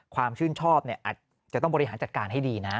ความชื่นชอบอาจจะต้องบริหารจัดการให้ดีนะ